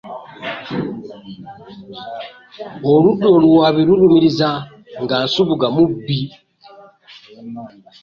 Oludda oluwaabi lulumiriza nti nga Nsubuga mubbi